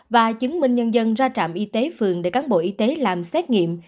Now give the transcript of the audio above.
và chứng minh nhân dân ra trạm y tế phường để cán bộ y tế làm xét nghiệm